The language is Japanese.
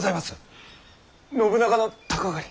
信長の鷹狩り。